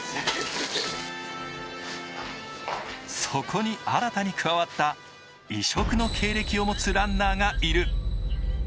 そこに新たに加わった異色の経歴を持つランナーがいる。